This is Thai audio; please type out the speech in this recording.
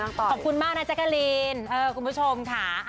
ขอบคุณมากนะแจ๊กกะลีนคุณผู้ชมค่ะ